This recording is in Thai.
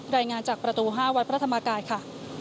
รายงานจากประตู๕วัดพระธรรมกายค่ะ